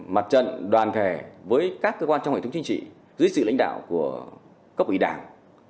mặt trận đoàn thể với các cơ quan trong hệ thống chính trị dưới sự lãnh đạo của cấp ủy đảng